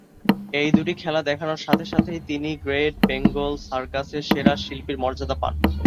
এই দুটি খেলা দেখানোর সাথে সাথেই তিনি তিনি গ্রেট বেঙ্গল সার্কাসের সেরা শিল্পীর মর্যাদা পান।